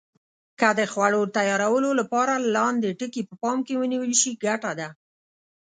که د خوړو تیارولو لپاره لاندې ټکي په پام کې ونیول شي ګټه ده.